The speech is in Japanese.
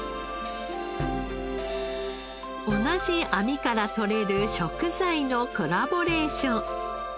同じ網からとれる食材のコラボレーション。